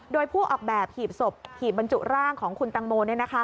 โดยผู้ออกแบบหีบศพหีบบรรจุร่างของคุณตังโม